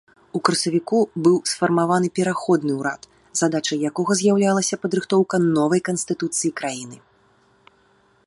У красавіку быў сфармаваны пераходны ўрад, задачай якога з'яўлялася падрыхтоўка новай канстытуцыі краіны.